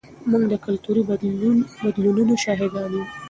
موږ د کلتوري بدلونونو شاهدان یو.